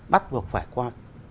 bắt buộc phải qua